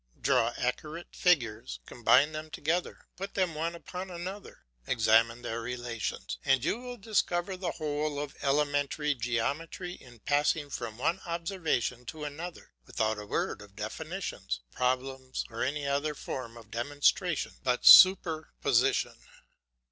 Draw accurate figures, combine them together, put them one upon another, examine their relations, and you will discover the whole of elementary geometry in passing from one observation to another, without a word of definitions, problems, or any other form of demonstration but super position.